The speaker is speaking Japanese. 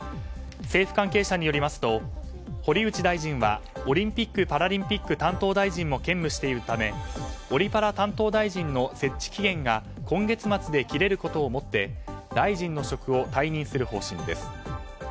政府関係者によりますと堀内大臣はオリンピック・パラリンピック担当大臣も兼務しているためオリパラ担当大臣の設置期限が今月末で切れることをもって大臣の職を退任する方針です。